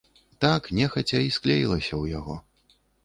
Так, нехаця, і склеілася ў яго.